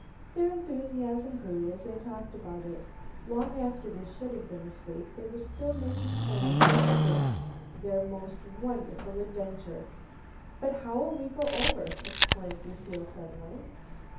Their enthusiasm grew as they talked about it. Long after they should have been asleep they were still making plans for this, their most wonderful adventure. "But how'll we go over?" exclaimed Lucile suddenly.